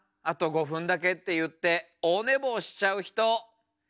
「あと５ふんだけ」っていっておお寝ぼうしちゃうひと。